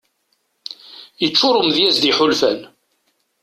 Yeččur umedyaz d iḥulfan.